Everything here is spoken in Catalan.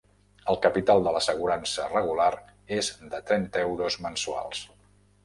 El capital de l'assegurança regular és de trenta euros mensuals.